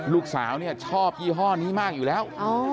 ลูกสาวเนี่ยชอบยี่ห้อนี้มากอยู่แล้ว